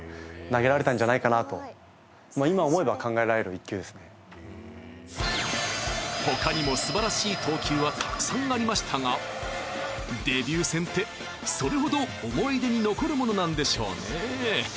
自分のほかにもすばらしい投球はたくさんありましたがデビュー戦ってそれほど思い出に残るものなんでしょうね